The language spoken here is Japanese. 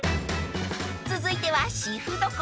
［続いては］